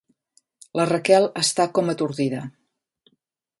La Raquel està com atordida.